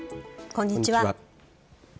こんにちは。